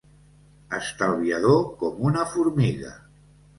Estalviador com una formiga.